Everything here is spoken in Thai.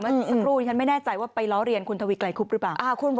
สักครู่นี้ฉันไม่แน่ใจว่าไปล้อเรียนคุณทวีไกลคุบหรือเปล่า